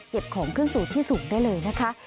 เก็บของเครื่องสูตรที่สุ่งได้เลยนะคะ